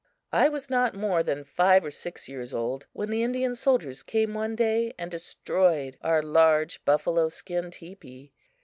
I was not more than five or six years old when the Indian soldiers came one day and destroyed our large buffalo skin teepee.